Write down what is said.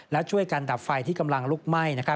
และช่วยกันดับไฟที่กำลังลุกไหม้